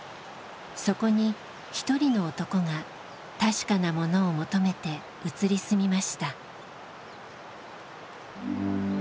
そこに一人の男が「確かなもの」を求めて移り住みました。